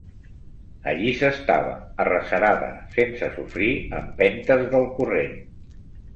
Allí s'estava, arrecerada, sense sofrir empentes del corrent.